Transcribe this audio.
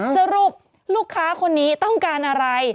สรุปลูกค้าคนนี้ต้องการอะไร